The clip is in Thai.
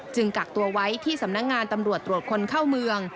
กักตัวไว้ที่สำนักงานตำรวจตรวจคนเข้าเมือง